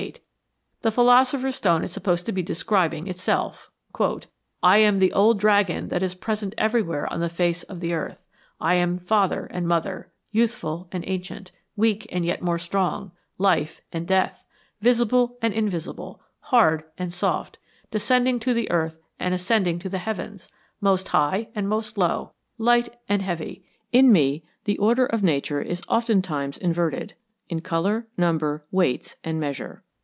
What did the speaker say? The philosopher's stone is supposed to be describing itself :" I am the old dragon that is present everywhere on the face of the earth ; I am father and mother ; youthful and ancient ; weak and yet more strong ; life and death ; visible and invisible ; hard and soft ; descending to the earth and ascending to the heavens ; most high and most low ; light and heavy ; in me, the order of nature is oftentimes inverted, in colour, number, weights and measure.